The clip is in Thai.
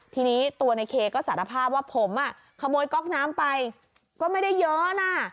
ทีนี้ตัวในเคก็สารภาพว่าผมอ่ะขโมยก๊อกน้ำไปก็ไม่ได้เยอะนะ